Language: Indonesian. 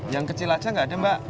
yang kecil aja gak ada mak